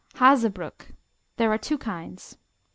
Hazebrook There are two kinds: I.